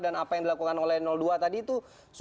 dan apa yang dilakukan oleh dua tadi itu